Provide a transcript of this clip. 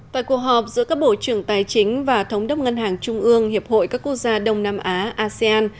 tại cuộc họp giữa các bộ trưởng tài chính và thống đốc ngân hàng trung ương hiệp hội các quốc gia đông nam á asean